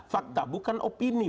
fakta bukan opini